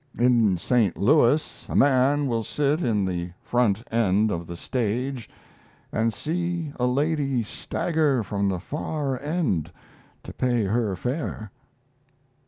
In St. Louis a man will sit in the front end of the stage, and see a lady stagger from the far end to pay her fare.